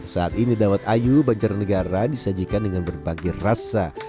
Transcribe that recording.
saat ini dawat ayu banjarnegara disajikan dengan berbagai rasa